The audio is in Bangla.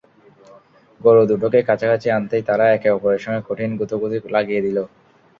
গরু দুটোকে কাছাকাছি আনতেই তারা একে অপরের সঙ্গে কঠিন গুঁতোগুঁতি লাগিয়ে দিল।